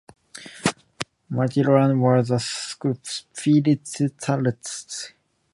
Maitland was a spiritualist.